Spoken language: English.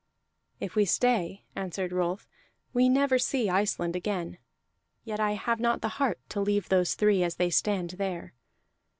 "If we stay," answered Rolf, "we never see Iceland again. Yet I have not the heart to leave those three as they stand there."